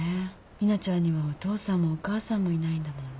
ミナちゃんにはお父さんもお母さんもいないんだもんね。